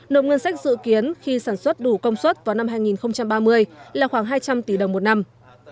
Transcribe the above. nộp ngân sách dự kiến khi sản xuất đủ công suất vào năm hai nghìn ba mươi là khoảng hai trăm linh tỷ đồng một năm